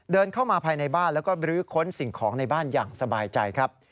เดินเข้ามาภายในบ้านแล้วก็บรื้อค้นสิ่งของในบ้านอย่างสบายใจครับ